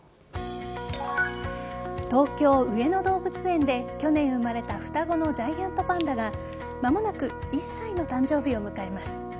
東京・上野動物園で去年生まれた双子のジャイアントパンダが間もなく１歳の誕生日を迎えます。